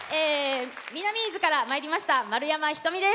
南伊豆からまいりましたまるやまです。